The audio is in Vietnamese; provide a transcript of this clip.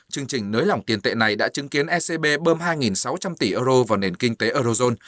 chương trình nới lỏng tiền tệ này đã chứng kiến ecb bơm hai sáu trăm linh tỷ euro vào nền kinh tế eurozone